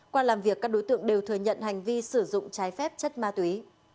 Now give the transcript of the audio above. qua làm việc các đối tượng đều thừa nhận hành vi sử dụng trái phép chất ma túy